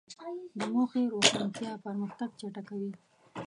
د موخې روښانتیا پرمختګ چټکوي.